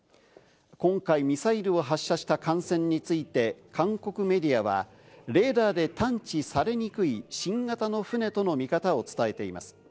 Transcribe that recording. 今回ミサイルを発射した艦船について、韓国メディアはレーダーで探知されにくい新型の船との見方を伝えています。